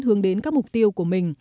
hướng đến các mục tiêu của mỹ